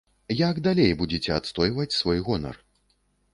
Як далей будзеце адстойваць свой гонар?